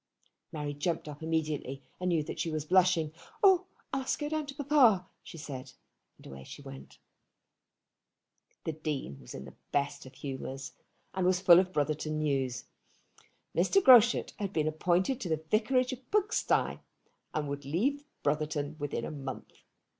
Mary jumped up immediately, and knew that she was blushing. "Oh! I must go down to papa," she said. And away she went. The Dean was in one of his best humours, and was full of Brotherton news. Mr. Groschut had been appointed to the vicarage of Pugsty, and would leave Brotherton within a month.